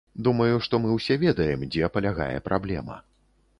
Думаю, што мы ўсе ведаем, дзе палягае праблема.